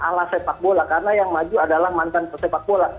ala sepak bola karena yang maju adalah mantan pesepak bola